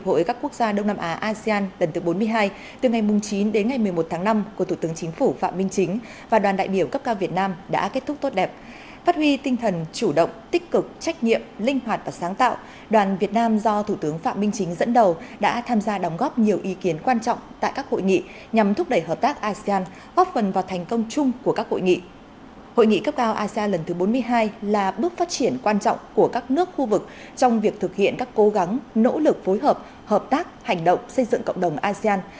hội nghị cấp cao asean lần thứ bốn mươi hai là bước phát triển quan trọng của các nước khu vực trong việc thực hiện các cố gắng nỗ lực phối hợp hợp tác hành động xây dựng cộng đồng asean